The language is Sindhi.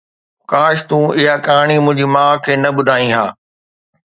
ڪاش تون اها ڪهاڻي منهنجي ماءُ کي نه ٻڌائي ها.